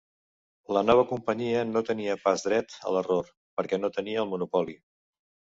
La nova Companyia no tenia pas dret a l'error, perquè no tenia el monopoli.